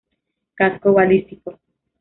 Casco Balístico.